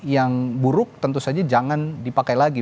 yang buruk tentu saja jangan dipakai lagi